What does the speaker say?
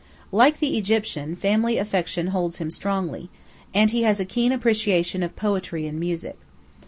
Like the Egyptian, family affection holds him strongly, and he has a keen appreciation of poetry and music.